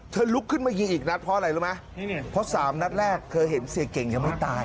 เธอลุกขึ้นมายิงอีกนัดเพราะไหนรู้มั้ยเนี้ยคือพอสามนัดเคยเห็นเสียเก่งยังไม่ตาย